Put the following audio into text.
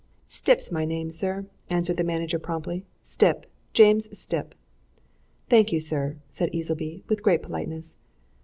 "Stipp's my name, sir," answered the manager promptly. "Stipp James Stipp." "Thank you, sir," said Easleby, with great politeness.